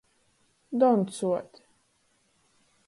Doncuot.